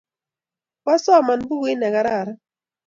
Kwasoman pukuit ne kararan